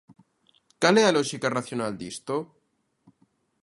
¿Cal é a lóxica racional disto?